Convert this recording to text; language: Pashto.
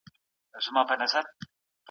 د هرچا مال، ناموس او دین خوندي و.